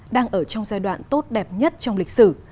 đang ở trong giai đoạn tốt đẹp nhất trong lịch sử